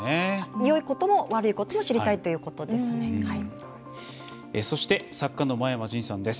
よいことも悪いことも知りたいということです。